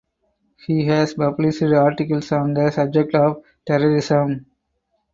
He has published articles on the subject of terrorism.